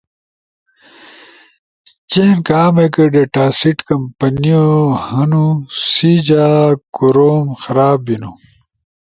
چین کامک ڈیٹا سیٹ کمپنو ہنُو، سی جا کوروم خراب بیِنو۔